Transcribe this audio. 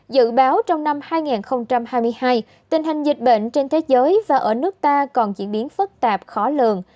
dự báo trong năm hai nghìn hai mươi hai tình hình dịch bệnh trên thế giới và ở nước ta còn diễn biến phức tạp khó lường